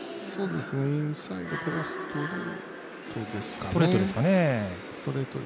インサイドこれはストレートですね。